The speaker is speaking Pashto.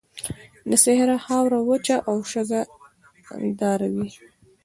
د صحرا خاوره وچه او شګهداره وي.